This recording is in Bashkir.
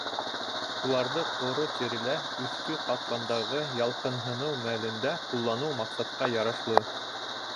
Уларҙы ҡоро тирелә өҫкө ҡатламдағы ялҡынһыныу мәлендә ҡулланыу маҡсатҡа ярашлы.